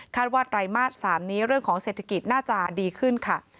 ว่าไตรมาส๓นี้เรื่องของเศรษฐกิจน่าจะดีขึ้นค่ะ